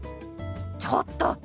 ちょっと！